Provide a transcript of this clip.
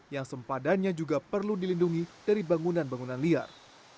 yang sempadannya juga perlu dilindungi dari bangunan bangunan liar